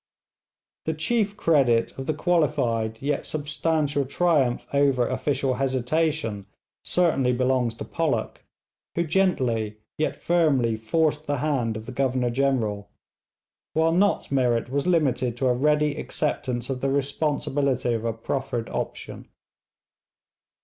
The chief credit of the qualified yet substantial triumph over official hesitation certainly belongs to Pollock, who gently yet firmly forced the hand of the Governor General, while Nott's merit was limited to a ready acceptance of the responsibility of a proffered option.